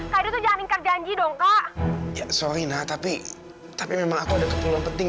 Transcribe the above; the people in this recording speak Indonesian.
kak itu jangan ingat janji dong kak ya sorry nah tapi tapi memang aku ada keperluan penting